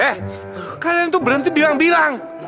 eh kalian tuh berhenti bilang bilang